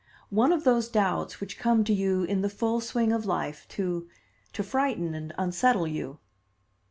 "One of those doubts which come to you in the full swing of life to to frighten and unsettle you."